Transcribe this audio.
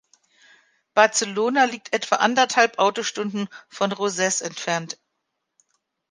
Barcelona liegt etwa anderthalb Autostunden von Roses entfernt.